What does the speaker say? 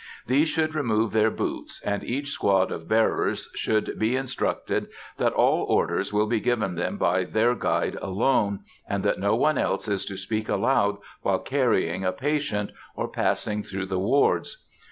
These should remove their boots, and each squad of bearers should be instructed that all orders will be given them by their guide alone, and that no one else is to speak aloud while carrying a patient, or passing through the wards.